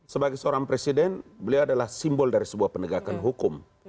sebagai seorang presiden beliau adalah simbol dari sebuah penegakan hukum